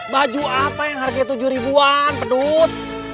baju apa yang harganya tujuh ribuan pedut